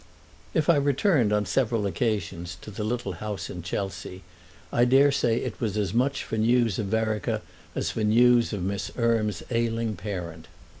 If I returned on several occasions to the little house in Chelsea I dare say it was as much for news of Vereker as for news of Miss Erme's ailing parent.